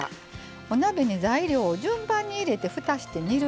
お鍋に材料を順番に入れてふたして煮るだけ。